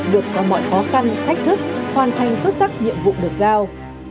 vượt qua mọi khó khăn thách thức hoàn thành xuất sắc nhiệm vụ được giao